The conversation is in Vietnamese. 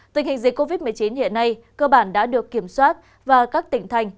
tình hình dịch covid một mươi chín hiện nay cơ bản đã được kiểm soát và các tỉnh thành